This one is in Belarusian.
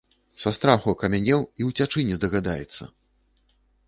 Са страху акамянеў і ўцячы не здагадаецца.